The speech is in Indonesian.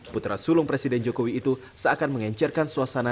putra sulung presiden jokowi itu seakan mengencarkan suasana